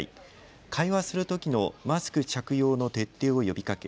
会話するときのマスク着用の徹底を呼びかけ